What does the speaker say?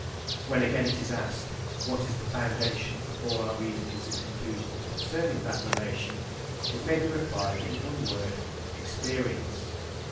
When again it is asked, What is the foundation of all our reasonings and conclusions concerning that relation? it may be replied in one word, Experience.